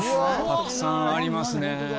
たくさんありますね